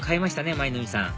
舞の海さん